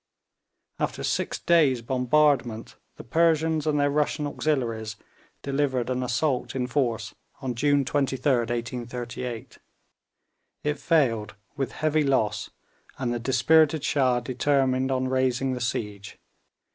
After six days' bombardment, the Persians and their Russian auxiliaries delivered an assault in force on June 23d, 1838. It failed, with heavy loss, and the dispirited Shah determined on raising the siege.